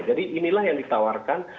jadi inilah yang ditawarkan